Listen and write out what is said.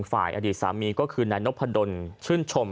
อดีตสามีก็คือนายนพดลชื่นชม